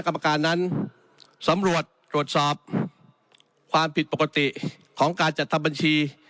สำหรับตรวจสอบความผิดปกติของการจัดทำบัญชี